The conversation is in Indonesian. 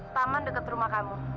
taman dekat rumah kamu